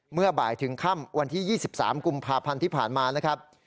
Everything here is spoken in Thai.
เมื่อบ่ายถึงค่ำวันที่๒๓กุมภาพันธ์ที่ผ่านมานะครับ